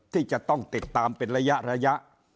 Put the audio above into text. ที่จะต้องติดตามเป็นระยะ